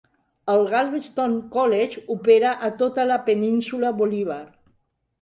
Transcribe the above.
El Galveston College opera a tota la península Bolivar.